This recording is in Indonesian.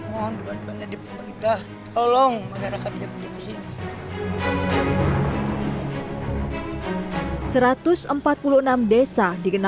mohon dukungan dari pemerintah tolong masyarakatnya pergi ke sini